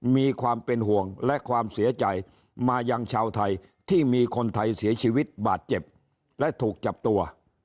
มีความเป็นห่วงและความเสียใจมายังชาวไทยที่มีคนไทยเสียชีวิตบาดเจ็บและถูกจับตัว